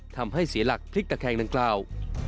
ทำให้เสียหลักพลิกตะแคงดังกล่าว